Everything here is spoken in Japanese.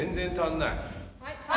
はい！